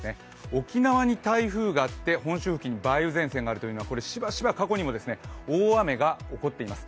沖縄に台風があって、本州付近に梅雨前線があるというのはしばしば過去にも大雨が起こっています。